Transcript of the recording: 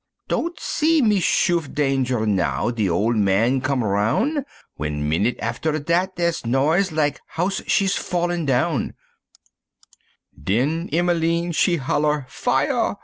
Don't see mese'f moche danger now de ole man come aroun'," W'en minute affer dat, dere's noise, lak' house she's fallin' down. Den Emmeline she holler "Fire!